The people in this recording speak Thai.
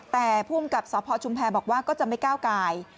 แต่ภูมิกับสคจพบอกว่าก็จะไม่เก้าไกล